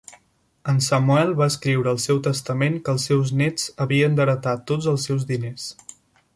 En Samuel va escriure al seu testament que els seus nets havien d'heretar tots els seus diners.